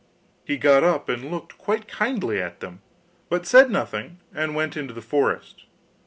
He got up and looked quite kindly at them, but said nothing and went into the forest.